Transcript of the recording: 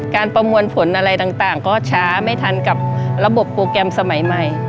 ประมวลผลอะไรต่างก็ช้าไม่ทันกับระบบโปรแกรมสมัยใหม่